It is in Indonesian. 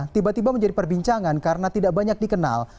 tiba tiba menjadi perbincangan karena tidak banyak dikenal